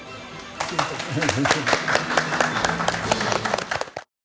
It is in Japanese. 失礼いたします。